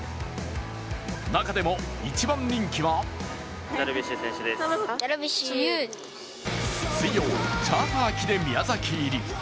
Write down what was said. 中でも一番人気は水曜、チャーター機で宮崎入り。